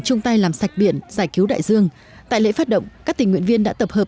chung tay làm sạch biển giải cứu đại dương tại lễ phát động các tình nguyện viên đã tập hợp